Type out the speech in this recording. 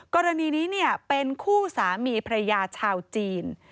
กรณีนี้เป็นคู่สามีพระยาชาวจีน